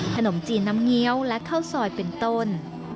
ขนมจีนน้ำเงี้ยวและข้าวซอยเป็นต้น